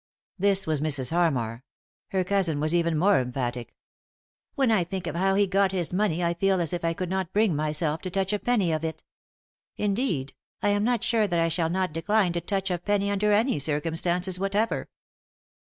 This was Mrs. Hannar. Her cousin was even more emphatic "When I think of how he got his money I feel as if I could not bring myself to touch a penny of it ; indeed, I am not sure that I shall not decline to touch a penny under any circumstances whatever."